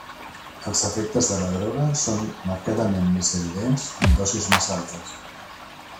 Els efectes de la droga són marcadament més evidents en dosis més altes.